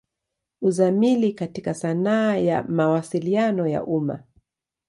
Uzamili katika sanaa ya Mawasiliano ya umma.